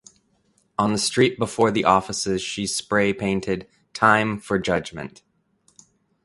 On the street before the offices she spray painted "Time for judgement".